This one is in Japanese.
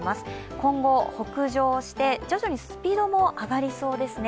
今後、北上して徐々にスピードも上がりそうですね。